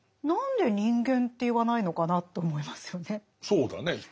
何で「人間」って言わないのかなと思いますよね。